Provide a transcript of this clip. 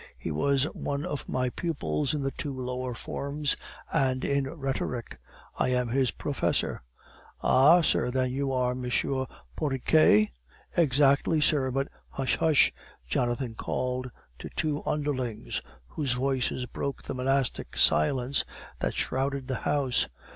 He was one of my pupils in two lower forms, and in rhetoric. I am his professor." "Ah, sir, then you are M. Porriquet?" "Exactly, sir, but " "Hush! hush!" Jonathan called to two underlings, whose voices broke the monastic silence that shrouded the house.